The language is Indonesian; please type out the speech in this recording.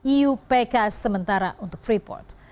iupk sementara untuk freeport